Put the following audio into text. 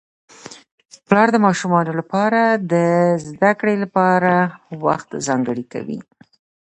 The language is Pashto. پلار د ماشومانو لپاره د زده کړې لپاره وخت ځانګړی کوي